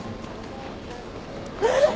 えっ！？